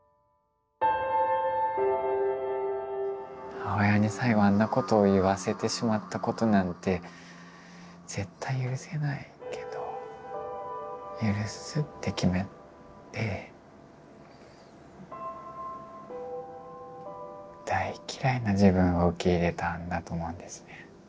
母親に最後あんなことを言わせてしまったことなんて絶対許せないけど許すって決めて大嫌いな自分を受け入れたんだと思うんですね。